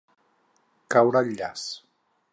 Caure al llaç.